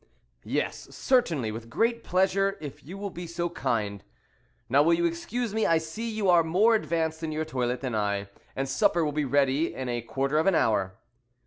"Yes, certainly, with great pleasure, if you will be so kind. Now, will you excuse me? I see you are more advanced in your toilet than I, and supper will be ready in a quarter of an hour."